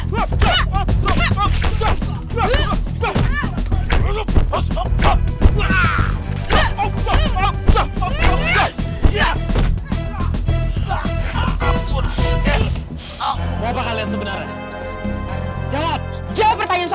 hanya menjalankan perintah kriatus